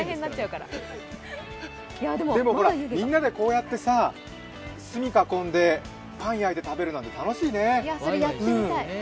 みんなでこうやって炭を囲んで、パン焼いて食べるなんて楽しいね。